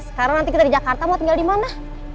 sekarang nanti kita di jakarta mau tinggal dimana